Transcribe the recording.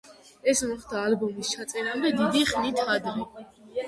ეს მოხდა ალბომის ჩაწერამდე დიდი ხნით ადრე.